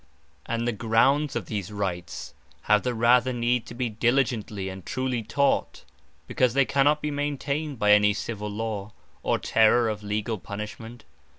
And the grounds of these Rights, have the rather need to be diligently, and truly taught; because they cannot be maintained by any Civill Law, or terrour of legal punishment.